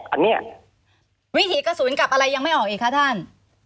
อันนี้วิถีกระสุนกับอะไรยังไม่ออกอีกคะท่าน